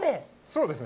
そうです。